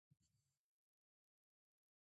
一生に一度は自分の家を買え